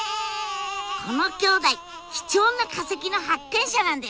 この兄弟貴重な化石の発見者なんです！